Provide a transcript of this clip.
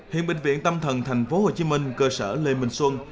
hiện bệnh viện tâm thần thành phố hồ chí minh cơ sở lê minh xuân